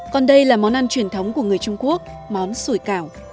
còn đây là món ăn truyền thống của người trung quốc món sủi cảo